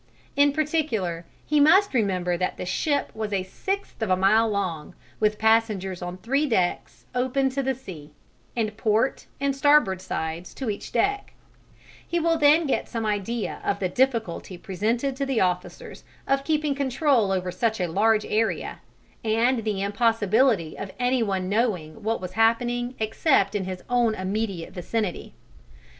In particular, he must remember that the ship was a sixth of a mile long, with passengers on three decks open to the sea, and port and starboard sides to each deck: he will then get some idea of the difficulty presented to the officers of keeping control over such a large area, and the impossibility of any one knowing what was happening except in his own immediate vicinity.